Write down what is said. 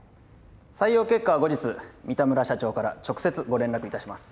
採用結果は後日三田村社長から直接ご連絡いたします。